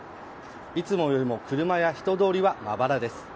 いつもよりも車や人通りはまばらです。